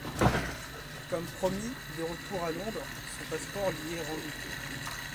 Comme promis, de retour à Londres, son passeport lui est rendu.